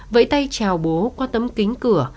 vẫy tay chào bố qua tấm kính cửa